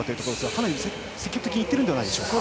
かなり積極的にいってるんじゃないでしょうか。